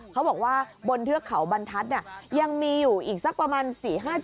เขาบอกว่าบนเทือกเขาบรรทัศน์เนี่ยยังมีอยู่อีกสักประมาณสี่ห้าจุด